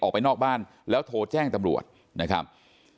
ออกไปนอกบ้านแล้วโทรแจ้งตำรวจนะครับ